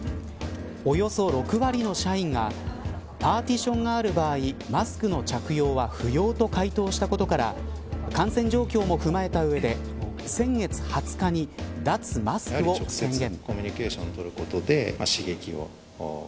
およそ６割の社員がパーティションがある場合マスクの着用は不要と回答したことから感染状況も踏まえた上で先月２０日に脱マスクを宣言。